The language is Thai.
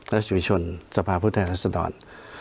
รัฐชีวิชชนสภาพุทธแทรกรัศดร